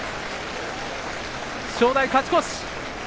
正代、勝ち越し。